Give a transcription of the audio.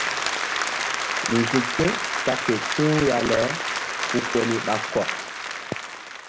Nzuk ké ta ke ti̧w ya le ku koni ɓa kɔk.